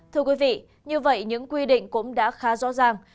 thưa quý vị như vậy những quy định cũng đã khá rõ ràng